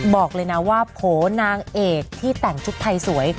บอกเลยนะว่าโผล่นางเอกที่แต่งชุดไทยสวย